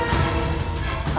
kau akan menang